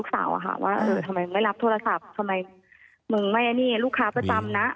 ทำไมไม่รับโทรศัพท์